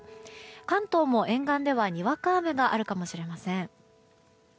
関東も沿岸ではにわか雨があるかもしれません。